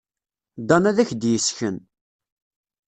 Dan ad ak-d-yessken.